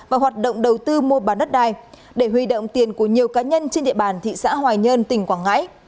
và hoạt động đầu tư mua bán đất đai để huy động tiền của nhiều cá nhân trên địa bàn thị xã hoài nhơn tỉnh quảng ngãi